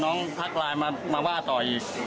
ทักไลน์มาว่าต่ออีก